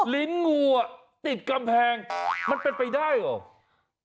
ลิ้นงูอ่ะติดกำแพงมันเป็นไปได้เหรอ